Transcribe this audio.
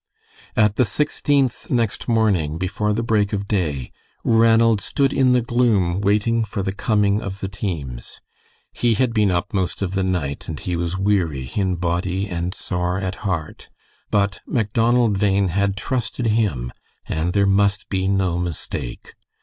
At the Sixteenth next morning, before the break of day, Ranald stood in the gloom waiting for the coming of the teams. He had been up most of the night and he was weary in body and sore at heart, but Macdonald Bhain had trusted him, and there must be no mistake.